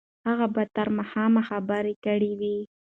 هغه به تر ماښامه خبرې کړې وي.